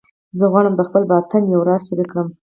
زه غواړم د خپل باطن یو راز شریک کړم